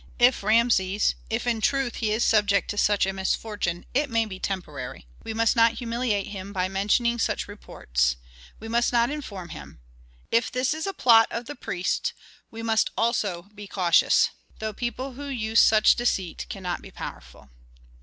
If Rameses if in truth he is subject to such a misfortune, it may be temporary. We must not humiliate him by mentioning such reports, we must not inform him. If this is a plot of the priests we must also be cautious. Though people who use such deceit cannot be powerful."